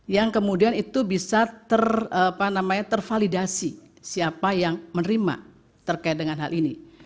yang kemudian itu bisa tervalidasi siapa yang menerima terkait dengan hal ini